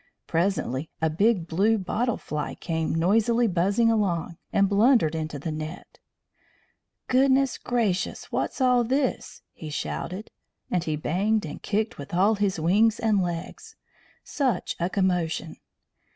Presently a big blue bottle fly came noisily buzzing along, and blundered into the net. "Goodness gracious! what's all this?" he shouted; and he banged and kicked with all his wings and legs. Such a commotion!